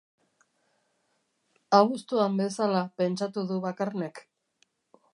Abuztuan bezala, pentsatu du Bakarnek.